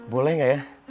boleh gak ya